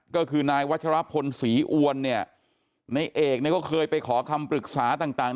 ก็คือนายวัชรพลศรีอวนเนี่ยในเอกเนี่ยก็เคยไปขอคำปรึกษาต่าง